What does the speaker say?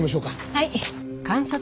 はい。